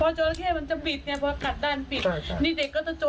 ลองใช้มันลึกแต่มันลากตั้งแต่มุมตรงนี้